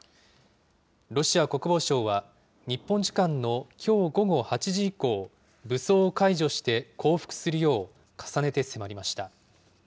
ロシア国防省は、日本時間のきょう午後８時以降、武装を解除して降伏するよう、重ねて迫りました。